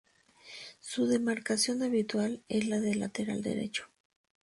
Su demarcación habitual es la de lateral derecho.